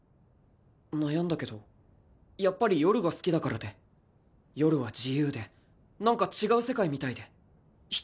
悩んだけどやっぱり夜が好きだからで夜は自由で何か違う世界みたいで人だって違う人になれる。